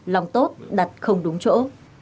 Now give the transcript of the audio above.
lòng tốt đặt không đúng chỗ